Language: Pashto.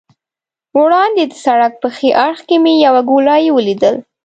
وړاندې د سړک په ښي اړخ کې مې یوه ګولایي ولیدل.